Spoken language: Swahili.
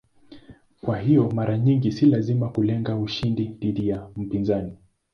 Kwa hiyo mara nyingi si lazima kulenga ushindi dhidi ya mpinzani.